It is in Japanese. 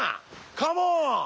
カモン！